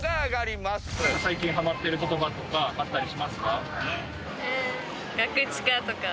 「最近ハマってる言葉とかあったりしますか？」がくちか⁉